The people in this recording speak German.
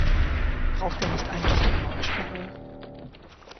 Braucht der nicht eigentlich eine Maulsperre?